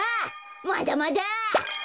まだまだ！